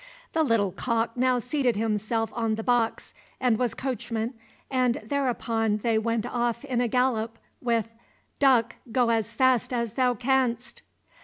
The little cock now seated himself on the box and was coachman, and thereupon they went off in a gallop, with "Duck, go as fast as thou canst."